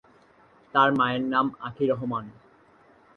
তার মায়ের নাম আঁখি রহমান।